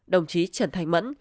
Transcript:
đồng chí trần thánh mẫn